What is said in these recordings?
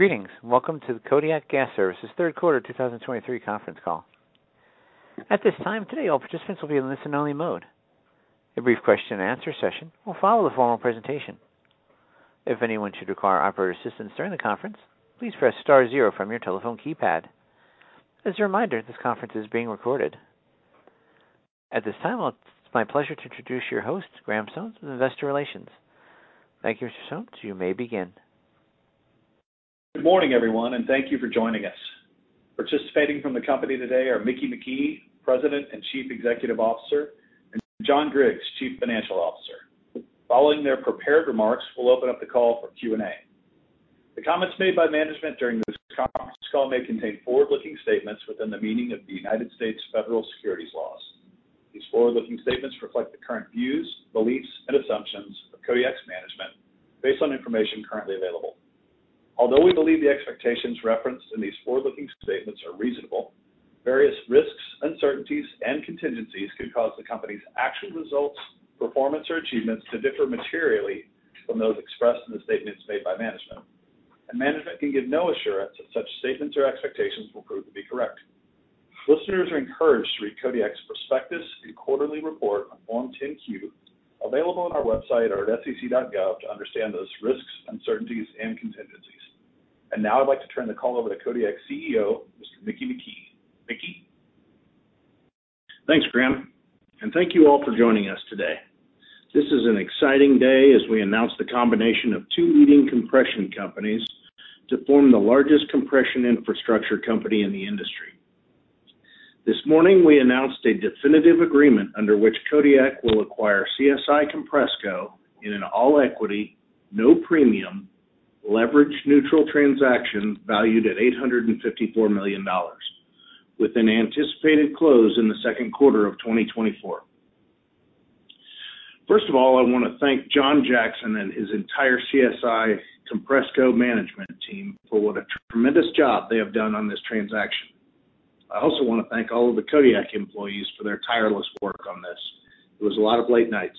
Greetings, and welcome to the Kodiak Gas Services third quarter 2023 conference call. At this time today, all participants will be in listen-only mode. A brief question-and-answer session will follow the formal presentation. If anyone should require operator assistance during the conference, please press star zero from your telephone keypad. As a reminder, this conference is being recorded. At this time, well, it's my pleasure to introduce your host, Graham Sones, from Investor Relations. Thank you, Mr. Sones. You may begin. Good morning, everyone, and thank you for joining us. Participating from the company today are Mickey McKee, President and Chief Executive Officer, and John Griggs, Chief Financial Officer. Following their prepared remarks, we'll open up the call for Q&A. The comments made by management during this conference call may contain forward-looking statements within the meaning of the United States federal securities laws. These forward-looking statements reflect the current views, beliefs, and assumptions of Kodiak's management based on information currently available. Although we believe the expectations referenced in these forward-looking statements are reasonable, various risks, uncertainties, and contingencies could cause the company's actual results, performance, or achievements to differ materially from those expressed in the statements made by management. Management can give no assurance that such statements or expectations will prove to be correct. Listeners are encouraged to read Kodiak's prospectus and quarterly report on Form 10-Q, available on our website or at sec.gov, to understand those risks, uncertainties, and contingencies. And now I'd like to turn the call over to Kodiak's CEO, Mr. Mickey McKee. Mickey? Thanks, Graham, and thank you all for joining us today. This is an exciting day as we announce the combination of two leading compression companies to form the largest compression infrastructure company in the industry. This morning, we announced a definitive agreement under which Kodiak will acquire CSI Compressco in an all-equity, no premium, leverage-neutral transaction valued at $854 million, with an anticipated close in the second quarter of 2024. First of all, I want to thank John Jackson and his entire CSI Compressco management team for what a tremendous job they have done on this transaction. I also want to thank all of the Kodiak employees for their tireless work on this. It was a lot of late nights.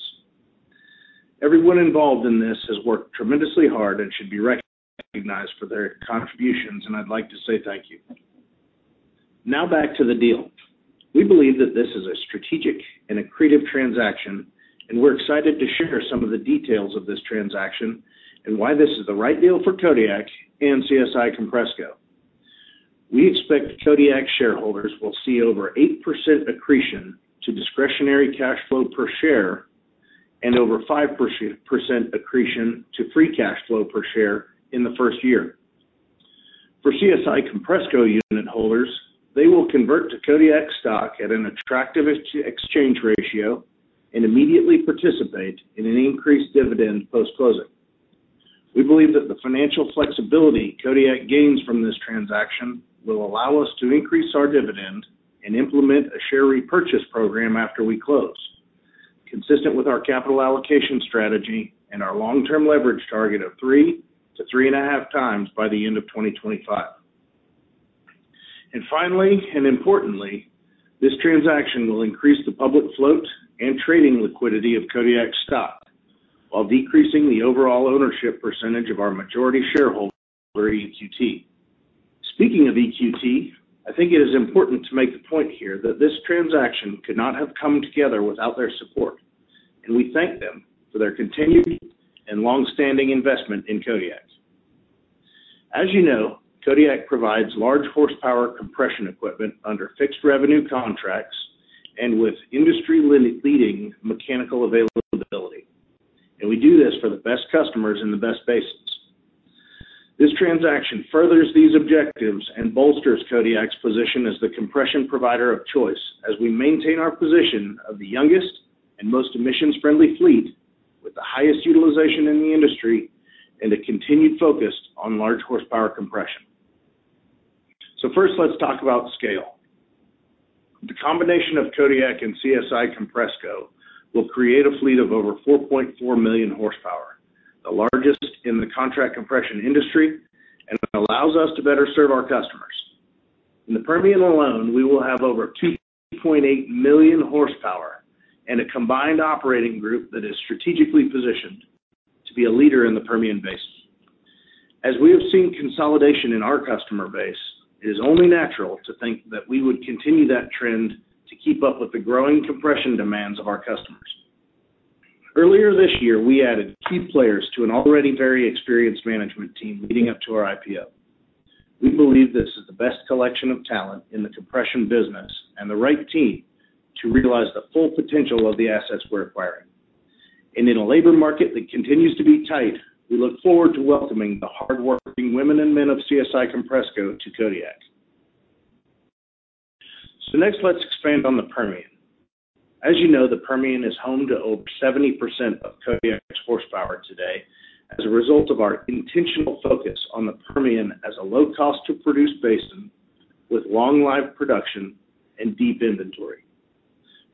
Everyone involved in this has worked tremendously hard and should be recognized for their contributions, and I'd like to say thank you. Now back to the deal. We believe that this is a strategic and accretive transaction, and we're excited to share some of the details of this transaction and why this is the right deal for Kodiak and CSI Compressco. We expect Kodiak shareholders will see over 8% accretion to discretionary cash flow per share and over 5% accretion to free cash flow per share in the first year. For CSI Compressco unit holders, they will convert to Kodiak stock at an attractive exchange ratio and immediately participate in an increased dividend post-closing. We believe that the financial flexibility Kodiak gains from this transaction will allow us to increase our dividend and implement a share repurchase program after we close, consistent with our capital allocation strategy and our long-term leverage target of 3-3.5 times by the end of 2025. Finally, and importantly, this transaction will increase the public float and trading liquidity of Kodiak's stock, while decreasing the overall ownership percentage of our majority shareholder, EQT. Speaking of EQT, I think it is important to make the point here that this transaction could not have come together without their support, and we thank them for their continued and long-standing investment in Kodiak. As you know, Kodiak provides large horsepower compression equipment under fixed revenue contracts and with industry-leading mechanical availability, and we do this for the best customers in the best basins. This transaction furthers these objectives and bolsters Kodiak's position as the compression provider of choice as we maintain our position of the youngest and most emissions-friendly fleet with the highest utilization in the industry and a continued focus on large horsepower compression. First, let's talk about scale. The combination of Kodiak and CSI Compressco will create a fleet of over 4.4 million horsepower, the largest in the contract compression industry, and it allows us to better serve our customers. In the Permian alone, we will have over 2.8 million horsepower and a combined operating group that is strategically positioned to be a leader in the Permian Basin. As we have seen consolidation in our customer base, it is only natural to think that we would continue that trend to keep up with the growing compression demands of our customers. Earlier this year, we added key players to an already very experienced management team leading up to our IPO. We believe this is the best collection of talent in the compression business and the right team to realize the full potential of the assets we're acquiring. In a labor market that continues to be tight, we look forward to welcoming the hardworking women and men of CSI Compressco to Kodiak. Next, let's expand on the Permian. As you know, the Permian is home to over 70% of Kodiak's horsepower today as a result of our intentional focus on the Permian as a low cost to produce basin with long-life production and deep inventory.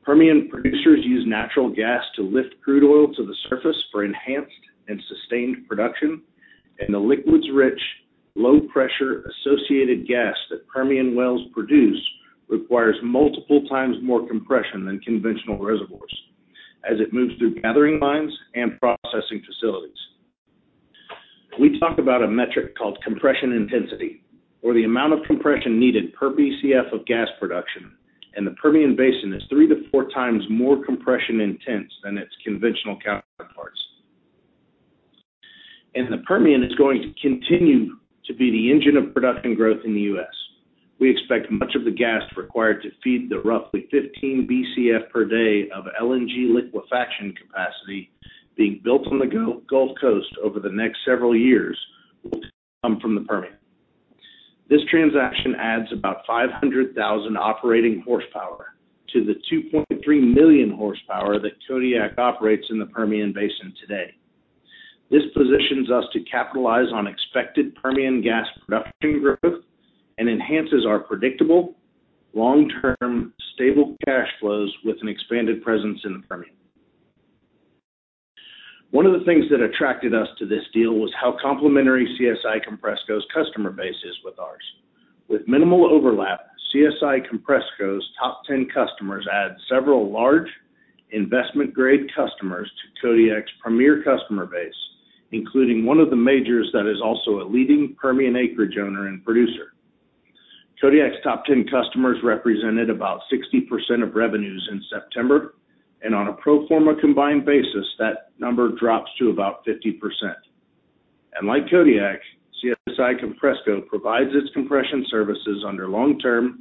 Permian producers use natural gas to lift crude oil to the surface for enhanced and sustained production, and the liquids-rich, low-pressure, associated gas that Permian wells produce requires multiple times more compression than conventional reservoirs... as it moves through gathering lines and processing facilities. We talk about a metric called compression intensity, or the amount of compression needed per Bcf of gas production, and the Permian Basin is 3-4 times more compression intense than its conventional counterparts. The Permian is going to continue to be the engine of production growth in the U.S. We expect much of the gas required to feed the roughly 15 Bcf per day of LNG liquefaction capacity being built on the Gulf Coast over the next several years will come from the Permian. This transaction adds about 500,000 operating horsepower to the 2.3 million horsepower that Kodiak operates in the Permian Basin today. This positions us to capitalize on expected Permian gas production growth and enhances our predictable, long-term, stable cash flows with an expanded presence in the Permian. One of the things that attracted us to this deal was how complementary CSI Compressco's customer base is with ours. With minimal overlap, CSI Compressco's top ten customers add several large investment-grade customers to Kodiak's premier customer base, including one of the majors that is also a leading Permian acreage owner and producer. Kodiak's top ten customers represented about 60% of revenues in September, and on a pro forma combined basis, that number drops to about 50%. Like Kodiak, CSI Compressco provides its compression services under long-term,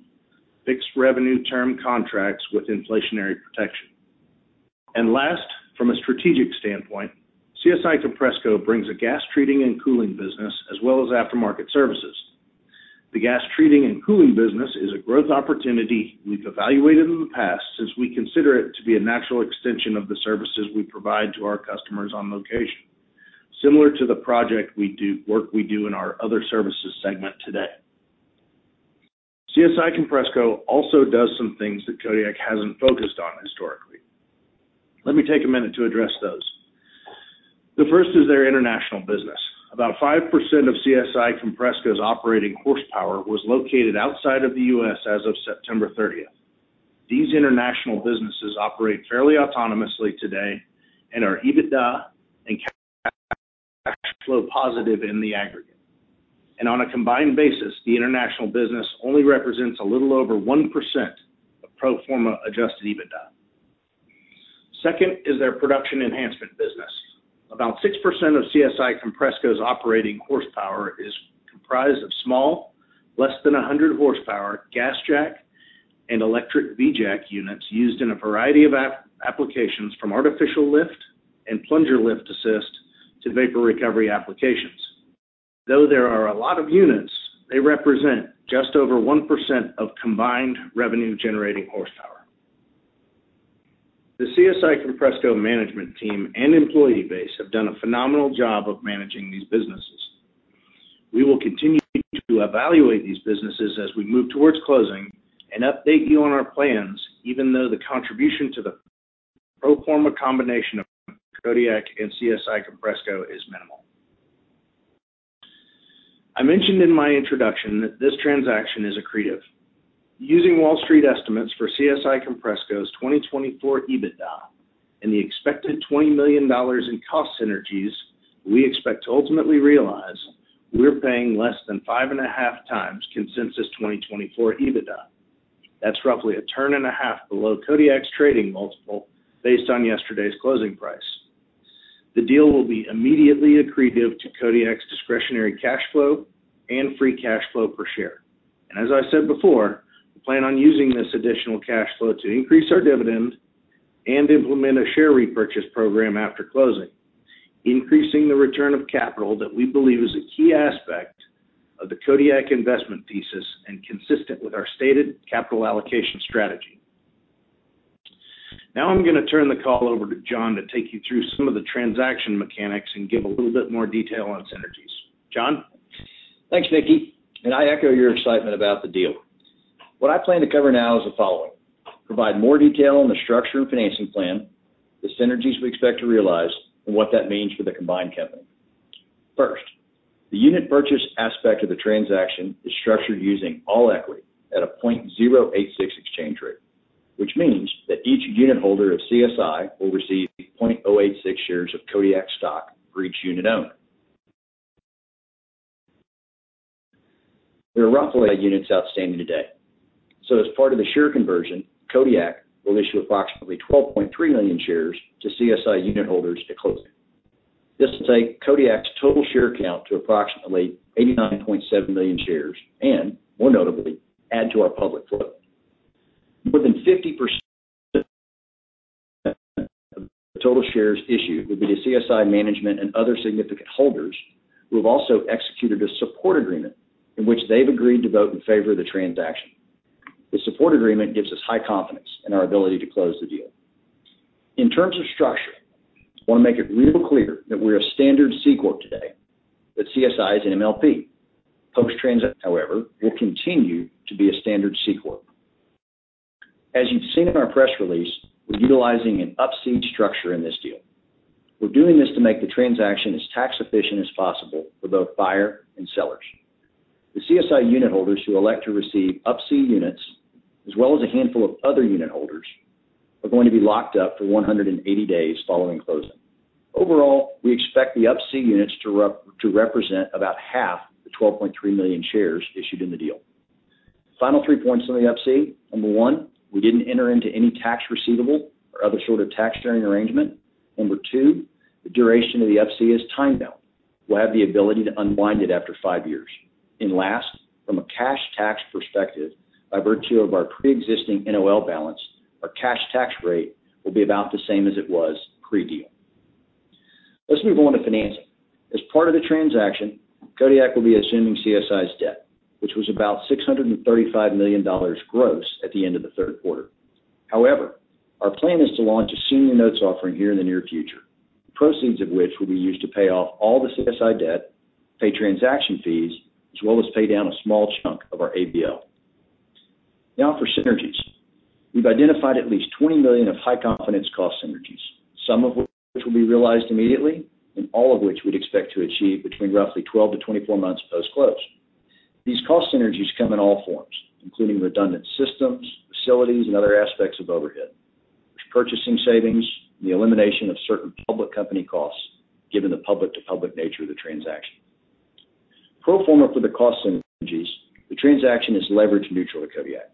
fixed revenue term contracts with inflationary protection. Last, from a strategic standpoint, CSI Compressco brings a gas treating and cooling business as well as aftermarket services. The gas treating and cooling business is a growth opportunity we've evaluated in the past, since we consider it to be a natural extension of the services we provide to our customers on location, similar to the work we do in our other services segment today. CSI Compressco also does some things that Kodiak hasn't focused on historically. Let me take a minute to address those. The first is their international business. About 5% of CSI Compressco's operating horsepower was located outside of the U.S. as of September 30. These international businesses operate fairly autonomously today and are EBITDA and cash flow positive in the aggregate. And on a combined basis, the international business only represents a little over 1% of pro forma adjusted EBITDA. Second is their production enhancement business. About 6% of CSI Compressco's operating horsepower is comprised of small, less than 100 horsepower, GasJack and electric VJack units used in a variety of applications, from artificial lift and plunger lift assist to vapor recovery applications. Though there are a lot of units, they represent just over 1% of combined revenue-generating horsepower. The CSI Compressco management team and employee base have done a phenomenal job of managing these businesses. We will continue to evaluate these businesses as we move towards closing and update you on our plans, even though the contribution to the pro forma combination of Kodiak and CSI Compressco is minimal. I mentioned in my introduction that this transaction is accretive. Using Wall Street estimates for CSI Compressco's 2024 EBITDA and the expected $20 million in cost synergies we expect to ultimately realize, we're paying less than 5.5x consensus 2024 EBITDA. That's roughly 1.5 below Kodiak's trading multiple based on yesterday's closing price. The deal will be immediately accretive to Kodiak's discretionary cash flow and free cash flow per share. As I said before, we plan on using this additional cash flow to increase our dividend and implement a share repurchase program after closing, increasing the return of capital that we believe is a key aspect of the Kodiak investment thesis and consistent with our stated capital allocation strategy. Now, I'm going to turn the call over to John to take you through some of the transaction mechanics and give a little bit more detail on synergies. John? Thanks, Mickey, and I echo your excitement about the deal. What I plan to cover now is the following: provide more detail on the structure and financing plan, the synergies we expect to realize, and what that means for the combined company. First, the unit purchase aspect of the transaction is structured using all equity at a 0.086 exchange rate, which means that each unit holder of CSI will receive 0.086 shares of Kodiak stock for each unit owned. There are roughly units outstanding today, so as part of the share conversion, Kodiak will issue approximately 12.3 million shares to CSI unit holders at closing. This will take Kodiak's total share count to approximately 89.7 million shares, and more notably, add to our public float. More than 50% of the total shares issued will be to CSI management and other significant holders, who have also executed a support agreement in which they've agreed to vote in favor of the transaction. The support agreement gives us high confidence in our ability to close the deal. In terms of structure, I want to make it real clear that we're a standard C Corp today, but CSI is an MLP. Post-transaction, however, will continue to be a standard C Corp. As you've seen in our press release, we're utilizing an Up-C structure in this deal. We're doing this to make the transaction as tax efficient as possible for both buyer and sellers.... The CSI unitholders who elect to receive Up-C units, as well as a handful of other unitholders, are going to be locked up for 180 days following closing. Overall, we expect the Up-C units to represent about half the 12.3 million shares issued in the deal. Final three points on the Up-C. Number one, we didn't enter into any tax receivable or other sort of tax-sharing arrangement. Number two, the duration of the Up-C is time-bound. We'll have the ability to unwind it after five years. And last, from a cash tax perspective, by virtue of our preexisting NOL balance, our cash tax rate will be about the same as it was pre-deal. Let's move on to financing. As part of the transaction, Kodiak will be assuming CSI's debt, which was about $635 million gross at the end of the third quarter. However, our plan is to launch a Senior Notes offering here in the near future, the proceeds of which will be used to pay off all the CSI debt, pay transaction fees, as well as pay down a small chunk of our ABL. Now for synergies. We've identified at least $20 million of high-confidence cost synergies, some of which will be realized immediately and all of which we'd expect to achieve between roughly 12-24 months post-close. These cost synergies come in all forms, including redundant systems, facilities, and other aspects of overhead, purchasing savings, and the elimination of certain public company costs, given the public-to-public nature of the transaction. Pro forma for the cost synergies, the transaction is leverage neutral to Kodiak.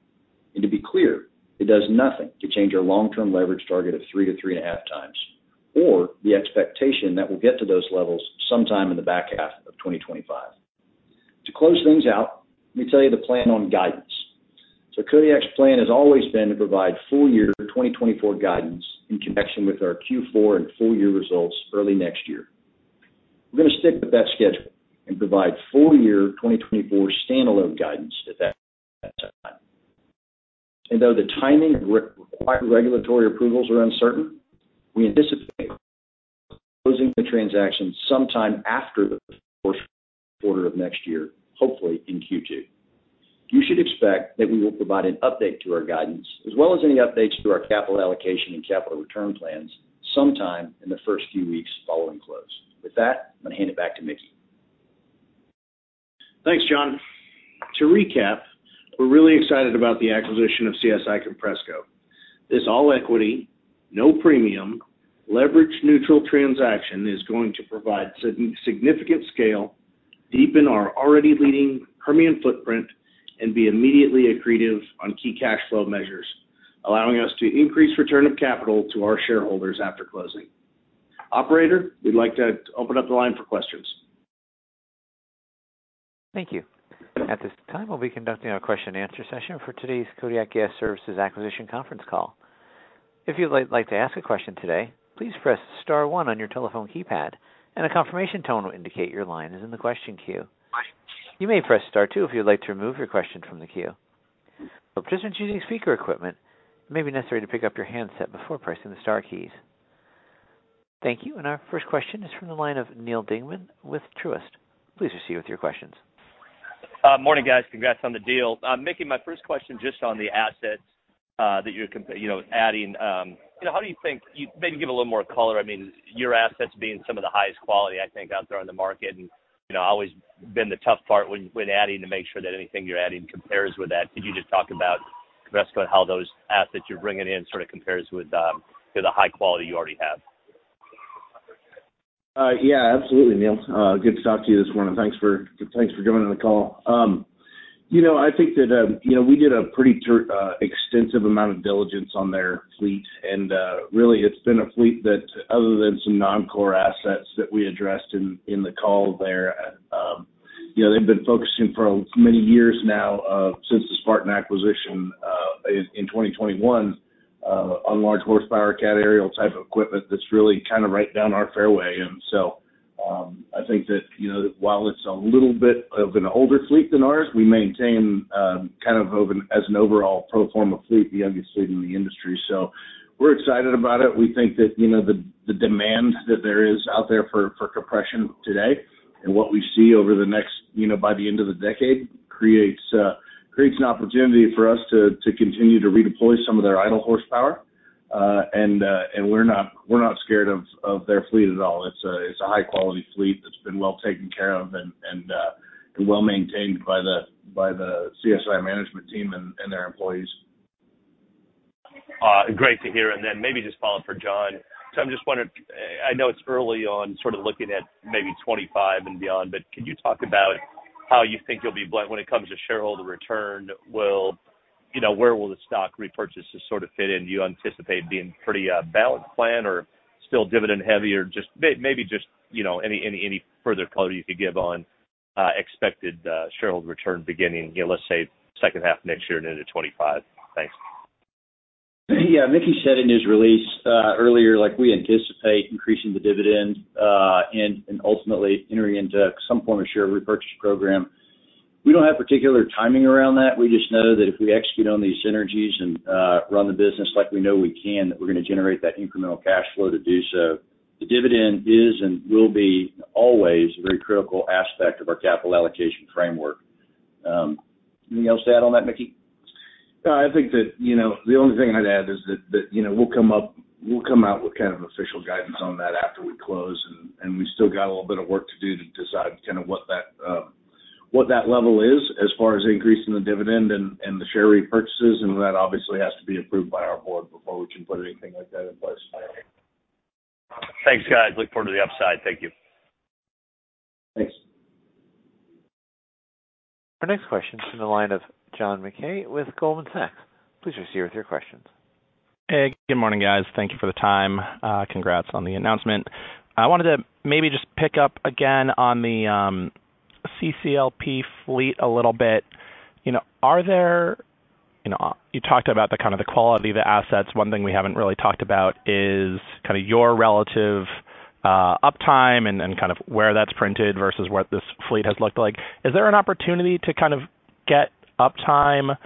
To be clear, it does nothing to change our long-term leverage target of 3-3.5x, or the expectation that we'll get to those levels sometime in the back half of 2025. To close things out, let me tell you the plan on guidance. Kodiak's plan has always been to provide full year 2024 guidance in connection with our Q4 and full year results early next year. We're going to stick with that schedule and provide full year 2024 standalone guidance at that time. Though the timing of required regulatory approvals is uncertain, we anticipate closing the transaction sometime after the first quarter of next year, hopefully in Q2. You should expect that we will provide an update to our guidance, as well as any updates to our capital allocation and capital return plans sometime in the first few weeks following close. With that, I'm going to hand it back to Mickey. Thanks, John. To recap, we're really excited about the acquisition of CSI Compressco. This all equity, no premium, leverage neutral transaction is going to provide significant scale, deepen our already leading Permian footprint, and be immediately accretive on key cash flow measures, allowing us to increase return of capital to our shareholders after closing. Operator, we'd like to open up the line for questions. Thank you. At this time, we'll be conducting our question-and-answer session for today's Kodiak Gas Services acquisition conference call. If you'd like to ask a question today, please press star one on your telephone keypad, and a confirmation tone will indicate your line is in the question queue. You may press star two if you'd like to remove your question from the queue. For participants using speaker equipment, it may be necessary to pick up your handset before pressing the star keys. Thank you. Our first question is from the line of Neal Dingmann with Truist. Please proceed with your questions. Morning, guys. Congrats on the deal. Mickey, my first question, just on the assets, that you're, you know, adding, you know, how do you think—maybe give a little more color. I mean, your assets being some of the highest quality, I think, out there on the market. You know, always been the tough part when adding to make sure that anything you're adding compares with that. Could you just talk about Compressco and how those assets you're bringing in sort of compares with to the high quality you already have? Yeah, absolutely, Neal. Good to talk to you this morning. Thanks for, thanks for joining the call. You know, I think that, you know, we did a pretty extensive amount of diligence on their fleet, and really, it's been a fleet that other than some non-core assets that we addressed in the call there, you know, they've been focusing for many years now, since the Spartan acquisition, in 2021, on large horsepower Cat Ariel type of equipment that's really kind of right down our fairway. And so, I think that, you know, while it's a little bit of an older fleet than ours, we maintain, kind of, over as an overall pro forma fleet, the youngest fleet in the industry. So we're excited about it. We think that, you know, the demand that there is out there for compression today and what we see over the next, you know, by the end of the decade, creates an opportunity for us to continue to redeploy some of their idle horsepower. We're not scared of their fleet at all. It's a high-quality fleet that's been well taken care of and well maintained by the CSI management team and their employees. Great to hear. And then maybe just follow up for John. So I'm just wondering, I know it's early on, sort of, looking at maybe 25 and beyond, but could you talk about how you think you'll be when it comes to shareholder return, will you know, where will the stock repurchases sort of fit in? Do you anticipate being pretty balanced plan or still dividend heavy? Or just maybe just, you know, any further color you could give on expected shareholder return beginning, you know, let's say second half of next year and into 25? Thanks. Yeah, Mickey said in his release, earlier, like, we anticipate increasing the dividend, and, and ultimately entering into some form of share repurchase program. We don't have particular timing around that. We just know that if we execute on these synergies and, run the business like we know we can, that we're going to generate that incremental cash flow to do so. The dividend is and will be always a very critical aspect of our capital allocation framework. Anything else to add on that, Mickey? ... No, I think that, you know, the only thing I'd add is that, you know, we'll come up with kind of official guidance on that after we close, and we still got a little bit of work to do to decide kind of what that level is as far as increasing the dividend and the share repurchases. And that obviously has to be approved by our board before we can put anything like that in place. Thanks, guys. Look forward to the upside. Thank you. Thanks. Our next question is from the line of John Mackay with Goldman Sachs. Please proceed with your questions. Hey, good morning, guys. Thank you for the time. Congrats on the announcement. I wanted to maybe just pick up again on the CSI Compressco LP fleet a little bit. You know, are there—you know, you talked about the kind of the quality of the assets. One thing we haven't really talked about is kind of your relative uptime and kind of where that's printed versus what this fleet has looked like. Is there an opportunity to kind of get uptime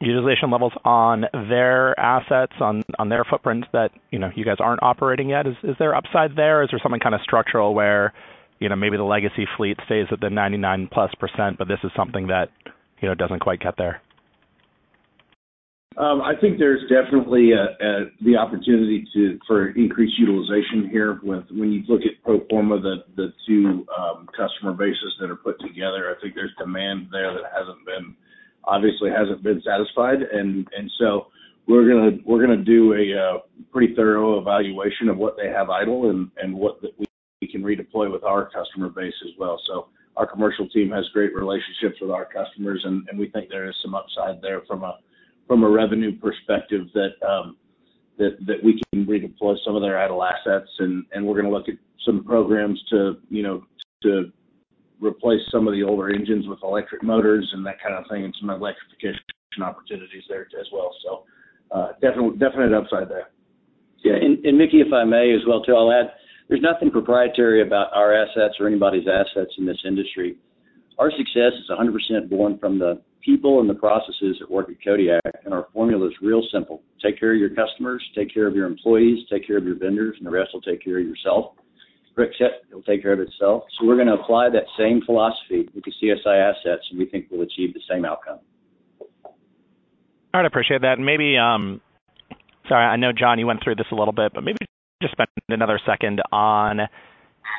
utilization levels on their assets, on their footprint that, you know, you guys aren't operating yet? Is there upside there, or is there something kind of structural where, you know, maybe the legacy fleet stays at the 99%+, but this is something that, you know, doesn't quite get there? I think there's definitely the opportunity for increased utilization here when you look at pro forma the two customer bases that are put together. I think there's demand there that hasn't been, obviously hasn't been satisfied. And so we're gonna do a pretty thorough evaluation of what they have idle and what we can redeploy with our customer base as well. So our commercial team has great relationships with our customers, and we think there is some upside there from a revenue perspective that we can redeploy some of their idle assets. And we're gonna look at some programs to, you know, to replace some of the older engines with electric motors and that kind of thing, and some electrification opportunities there as well. So definite upside there. Yeah, and, and Mickey, if I may as well, too, I'll add. There's nothing proprietary about our assets or anybody's assets in this industry. Our success is 100% born from the people and the processes that work at Kodiak, and our formula is real simple: Take care of your customers, take care of your employees, take care of your vendors, and the rest will take care of yourself. Rick said it'll take care of itself. So we're gonna apply that same philosophy with the CSI assets, and we think we'll achieve the same outcome. All right. I appreciate that. And maybe... Sorry, I know, John, you went through this a little bit, but maybe just spend another second on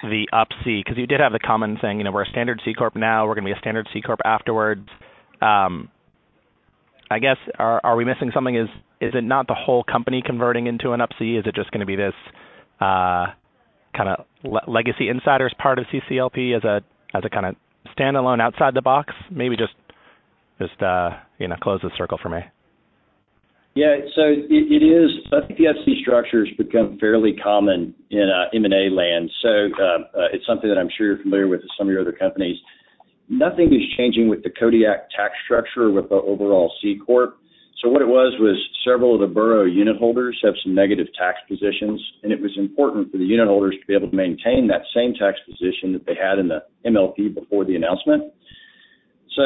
the Up-C, because you did have the common thing. You know, we're a standard C Corp now. We're gonna be a standard C Corp afterwards. I guess, are, are we missing something? Is, is it not the whole company converting into an Up-C? Is it just gonna be this, kind of legacy insiders part of CCLP as a, as a kind of standalone outside the box? Maybe just, just, you know, close the circle for me. Yeah. So it, it is. I think the Up-C structure has become fairly common in M&A land, so it's something that I'm sure you're familiar with some of your other companies. Nothing is changing with the Kodiak tax structure, with the overall C Corp. So what it was, was several of the former unit holders have some negative tax positions, and it was important for the unit holders to be able to maintain that same tax position that they had in the MLP before the announcement. So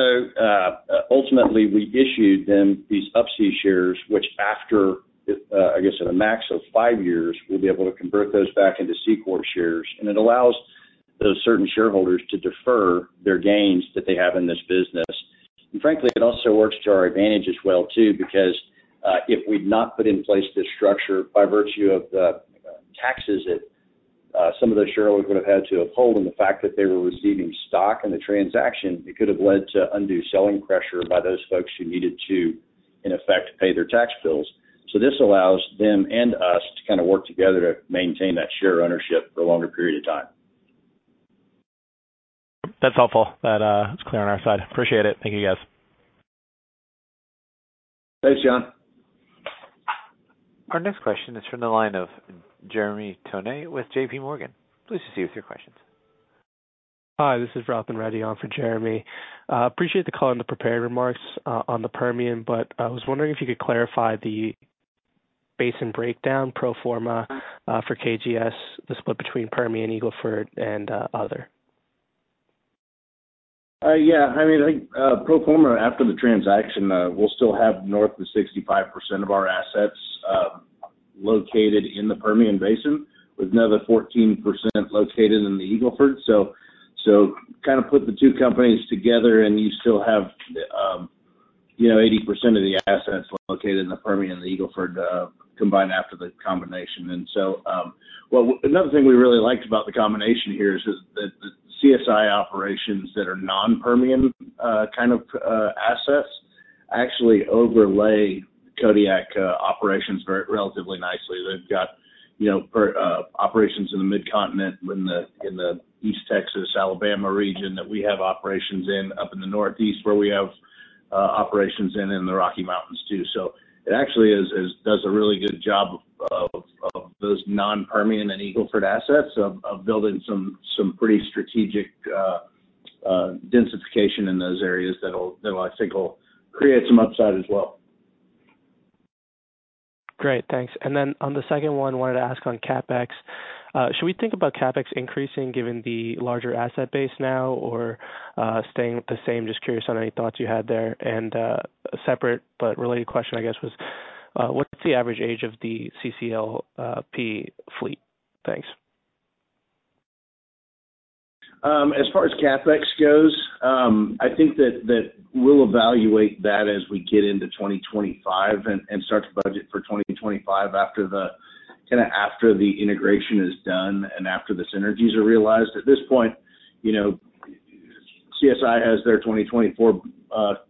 ultimately, we issued them these Up-C shares, which after I guess at a max of five years, we'll be able to convert those back into C Corp shares. And it allows those certain shareholders to defer their gains that they have in this business. Frankly, it also works to our advantage as well, too, because if we'd not put in place this structure, by virtue of the taxes that some of those shareholders would have had to uphold and the fact that they were receiving stock in the transaction, it could have led to undue selling pressure by those folks who needed to, in effect, pay their tax bills. So this allows them and us to kind of work together to maintain that share ownership for a longer period of time. That's helpful. That, it's clear on our side. Appreciate it. Thank you, guys. Thanks, John. Our next question is from the line of Jeremy Tonet with JPMorgan. Please proceed with your questions. Hi, this is Robi Reddy on for Jeremy. Appreciate the call and the prepared remarks on the Permian, but I was wondering if you could clarify the basin breakdown pro forma for KGS, the split between Permian, Eagle Ford, and other. Yeah, I mean, I think, pro forma, after the transaction, we'll still have north of 65% of our assets located in the Permian Basin, with another 14% located in the Eagle Ford. So, kind of put the two companies together, and you still have, you know, 80% of the assets located in the Permian and the Eagle Ford, combined after the combination. Well, another thing we really liked about the combination here is that the CSI operations that are non-Permian, kind of, assets actually overlay Kodiak operations very relatively nicely. They've got, you know, operations in the Mid-Continent, in the East Texas, Alabama region, that we have operations in, up in the Northeast, where we have operations in the Rocky Mountains, too. It actually does a really good job of those non-Permian and Eagle Ford assets of building some pretty strategic densification in those areas that'll I think will create some upside as well. Great, thanks. And then on the second one, wanted to ask on CapEx. Should we think about CapEx increasing given the larger asset base now or staying the same? Just curious on any thoughts you had there. And, a separate but related question, I guess was, what's the average age of the CSI Compressco LP fleet? Thanks.... As far as CapEx goes, I think that we'll evaluate that as we get into 2025 and start to budget for 2025 after the integration is done and after the synergies are realized. At this point, you know, CSI has their 2024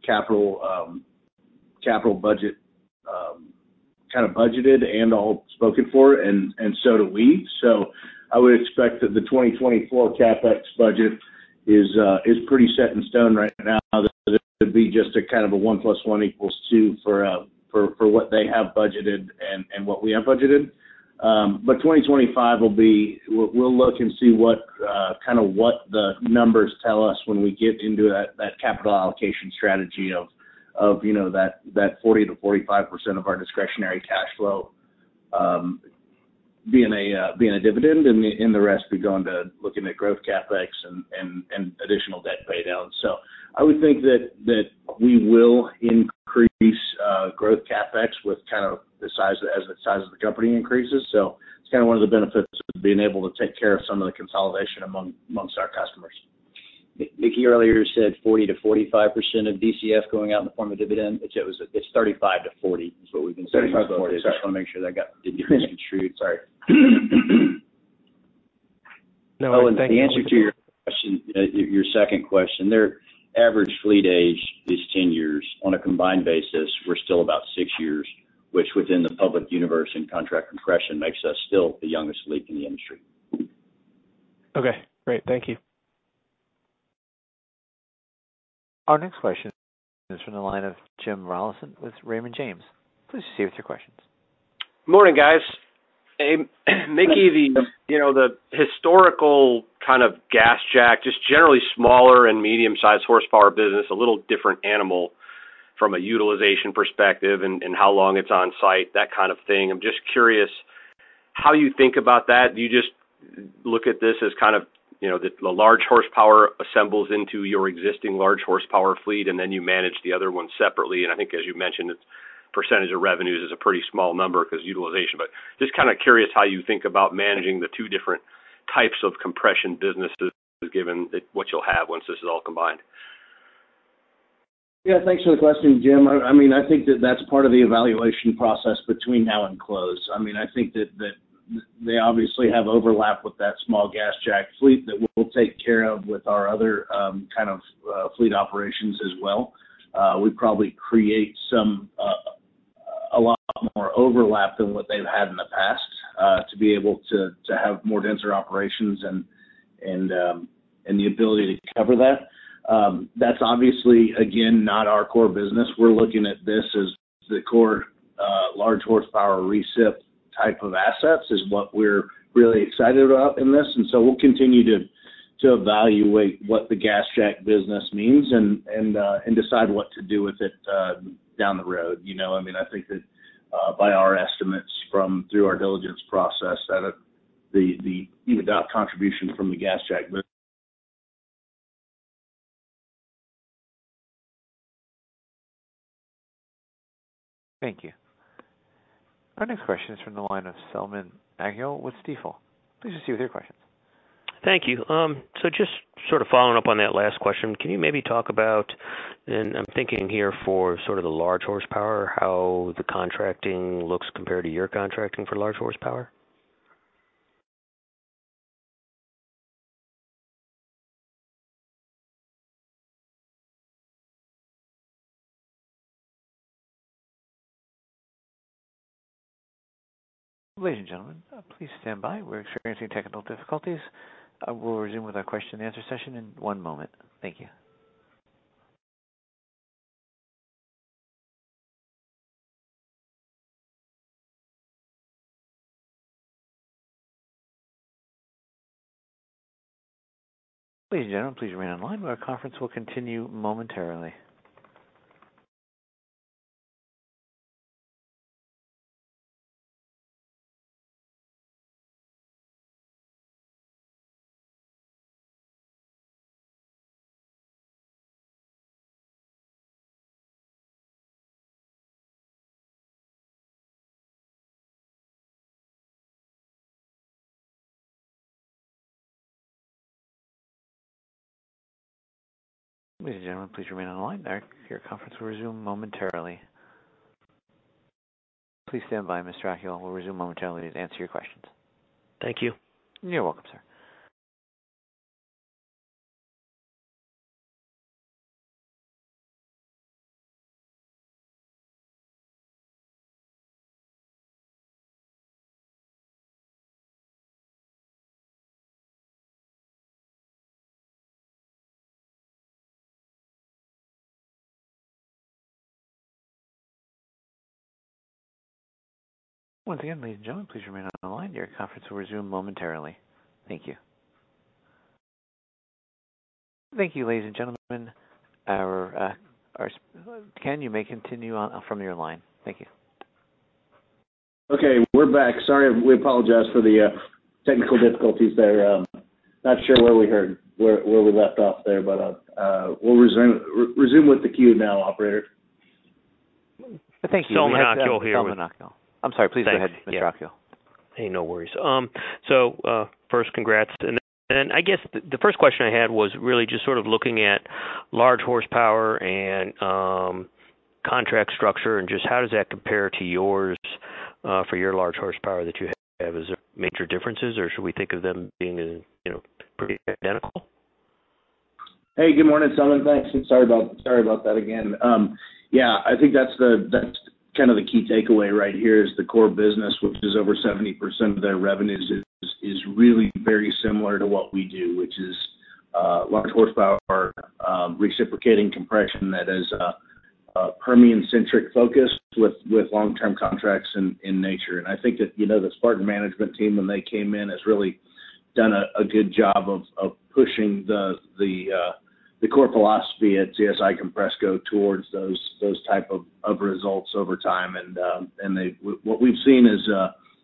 capital capital budget kind of budgeted and all spoken for, and so do we. So I would expect that the 2024 CapEx budget is pretty set in stone right now. It'd be just a kind of a one plus one equals two for what they have budgeted and what we have budgeted. But 2025 will be, we'll look and see what kind of what the numbers tell us when we get into that capital allocation strategy of, you know, that 40%-45% of our discretionary cash flow being a dividend, and the rest will be going to looking at growth CapEx and additional debt paydown. So I would think that we will increase growth CapEx with kind of the size, as the size of the company increases. So it's kind of one of the benefits of being able to take care of some of the consolidation amongst our customers. Mickey, you earlier said 40%-45% of DCF going out in the form of dividend, which it was. It's 35%-40%, is what we've been saying. 35%-40%. Just want to make sure that did get this true. Sorry. No, and the answer to your question, your second question, their average fleet age is 10 years. On a combined basis, we're still about 6 years, which within the public universe and contract compression, makes us still the youngest fleet in the industry. Okay, great. Thank you. Our next question is from the line of Jim Rollyson with Raymond James. Please proceed with your questions. Morning, guys. Mickey, you know, the historical kind of GasJack, just generally smaller and medium-sized horsepower business, a little different animal from a utilization perspective and how long it's on site, that kind of thing. I'm just curious, how you think about that? Do you just look at this as kind of, you know, the large horsepower assembles into your existing large horsepower fleet, and then you manage the other one separately? And I think, as you mentioned, its percentage of revenues is a pretty small number because utilization. But just kind of curious how you think about managing the two different types of compression businesses, given that what you'll have once this is all combined. Yeah, thanks for the question, Jim. I mean, I think that's part of the evaluation process between now and close. I mean, I think that they obviously have overlap with that small GasJack fleet that we'll take care of with our other kind of fleet operations as well. We probably create a lot more overlap than what they've had in the past to be able to have more denser operations and the ability to cover that. That's obviously, again, not our core business. We're looking at this as the core large horsepower recip type of assets, is what we're really excited about in this. And so we'll continue to evaluate what the GasJack business means and decide what to do with it down the road. You know, I mean, I think that, by our estimates from through our diligence process, that it—the EBITDA contribution from the GasJack- Thank you. Our next question is from the line of Selman Akyol with Stifel. Please proceed with your questions. Thank you. So just sort of following up on that last question, can you maybe talk about, and I'm thinking here for sort of the large horsepower, how the contracting looks compared to your contracting for large horsepower? Ladies and gentlemen, please stand by. We're experiencing technical difficulties. We'll resume with our question and answer session in one moment. Thank you. Ladies and gentlemen, please remain on line. Our conference will continue momentarily. Ladies and gentlemen, please remain on line. Our, your conference will resume momentarily. Please stand by, Mr. Akyol. We'll resume momentarily to answer your questions. Thank you. You're welcome, sir. Once again, ladies and gentlemen, please remain on the line. Your conference will resume momentarily. Thank you. Thank you, ladies and gentlemen. Mickey, you may continue on from your line. Thank you. Okay, we're back. Sorry, we apologize for the technical difficulties there. Not sure where we left off there, but we'll resume with the queue now, operator.... Thank you. Selman Akyol here. I'm sorry, please go ahead, Mr. Akyol. Hey, no worries. So, first, congrats. And then I guess the first question I had was really just sort of looking at large horsepower and contract structure, and just how does that compare to yours for your large horsepower that you have? Is there major differences, or should we think of them being, you know, pretty identical? Hey, good morning, Selman. Thanks, and sorry about that again. Yeah, I think that's the, that's kind of the key takeaway right here, is the core business, which is over 70% of their revenues, is really very similar to what we do, which is large horsepower reciprocating compression that is a Permian-centric focus with long-term contracts in nature. And I think that, you know, the Spartan management team, when they came in, has really done a good job of pushing the core philosophy at CSI Compressco towards those type of results over time. And what we've seen is it's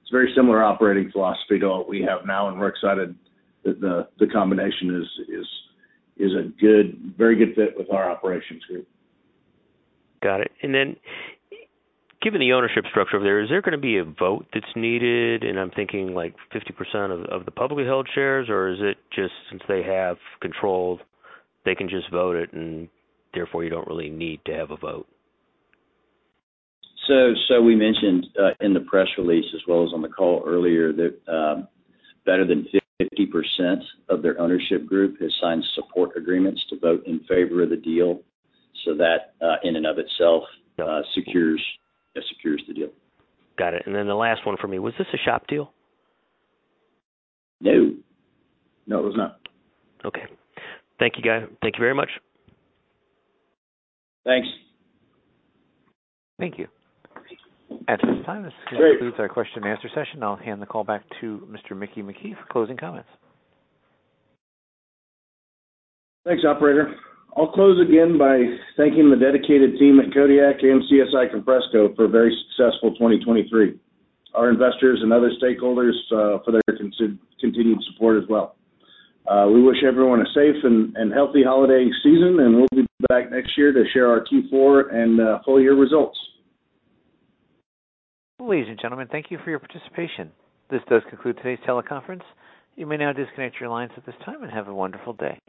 a very similar operating philosophy to what we have now, and we're excited that the combination is a good, very good fit with our operations group. Got it. And then, given the ownership structure over there, is there gonna be a vote that's needed? And I'm thinking, like, 50% of the publicly held shares, or is it just since they have control, they can just vote it, and therefore, you don't really need to have a vote? So we mentioned in the press release, as well as on the call earlier, that better than 50% of their ownership group has signed support agreements to vote in favor of the deal. So that, in and of itself, secures the deal. Got it. And then the last one for me, was this a shop deal? No. No, it was not. Okay. Thank you, guys. Thank you very much. Thanks. Thank you. At this time, this concludes our question and answer session. I'll hand the call back to Mr. Mickey McKee for closing comments. Thanks, operator. I'll close again by thanking the dedicated team at Kodiak and CSI Compressco for a very successful 2023. Our investors and other stakeholders for their continued support as well. We wish everyone a safe and healthy holiday season, and we'll be back next year to share our Q4 and full year results. Ladies and gentlemen, thank you for your participation. This does conclude today's teleconference. You may now disconnect your lines at this time and have a wonderful day.